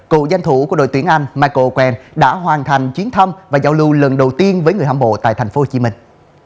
cựu danh thủ của đội tuyển anh michael owen đã hoàn thành chuyến thăm và giao lưu lần đầu tiên với người hãm bộ tại thành phố hồ chí minh